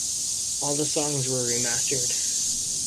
All the songs were remastered.